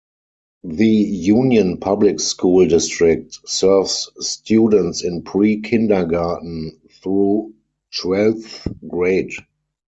The Union Public School District serves students in pre-kindergarten through twelfth grade.